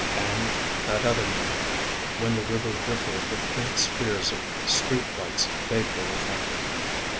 And that other night, When the river rippled with faint spears Of street lights vaguely reflected.